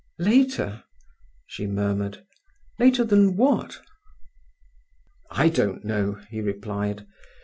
"Later," she murmured—"later than what?" "I don't know," he replied.